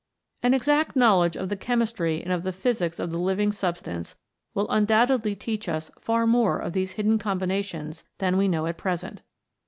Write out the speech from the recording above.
An exact knowledge of the chemistry and of the physics of the living substance will un doubtedly teach us far more of these hidden combinations than we know at present.